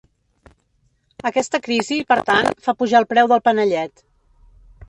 Aquesta crisi, per tant, fa pujar el preu del panellet.